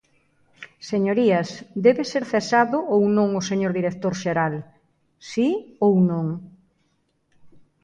Señorías, ¿debe ser cesado ou non o señor director xeral, si ou non?